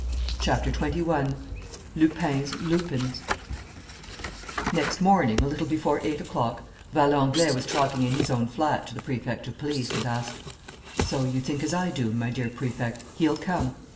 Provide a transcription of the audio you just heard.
CHAPTER TWENTY ONE LUPIN'S LUPINS Next morning, a little before eight o'clock, Valenglay was talking in his own flat to the Prefect of Police, and asked: "So you think as I do, my dear Prefect? He'll come?"